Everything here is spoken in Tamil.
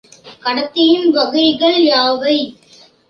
கடத்தியின் வகைகள் யாவை?